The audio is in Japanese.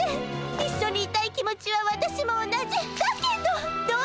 一緒にいたい気持ちは私も同じ。だけどっ！